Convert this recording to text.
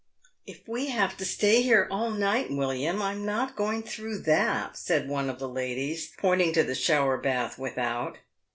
" If we have to stay here all night, "William, I'm not going through that," said one of the ladies, pointing to the shower bath without.